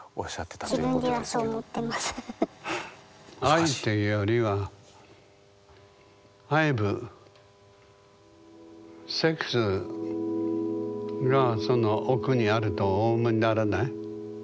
愛というよりはがその奥にあるとお思いにならない？